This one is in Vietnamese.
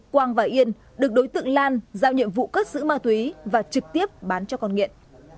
quang và yên được đối tượng lan giao nhiệm vụ cất giữ ma túy và trực tiếp bán cho con nghiện